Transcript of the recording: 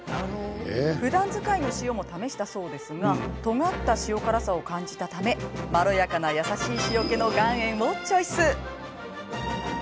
ふだん使いの塩も試したそうですがとがった塩辛さを感じたためまろやかな優しい塩気の岩塩をチョイス。